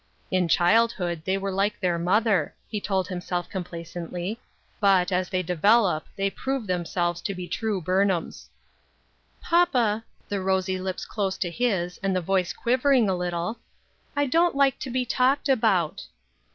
"In childhood they were like their mother," he told himself compla cently ;" but, as they develop, they prove them selves to be true Burnhams." " Papa," the rosy lips close to his, and the voice quivering a little, " I don't like to be talked about."